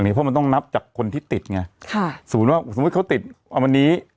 อันนี้เพราะมันต้องนับจากคนที่ติดไงค่ะสมมุติว่าสมมุติเขาติดอันวันนี้